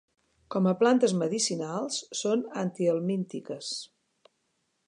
Com a plantes medicinals són antihelmíntiques.